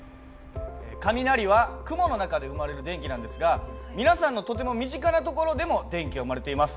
雷は雲の中で生まれる電気なんですが皆さんのとても身近な所でも電気は生まれています。